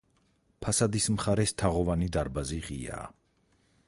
ფასადის მხარეს თაღოვანი დარბაზი ღიაა.